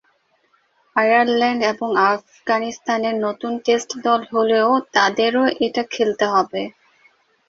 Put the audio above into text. Ireland এবং আফগানিস্তানের নতুন টেস্ট দল হলেও তাদেরও এটা খেলতে হবে।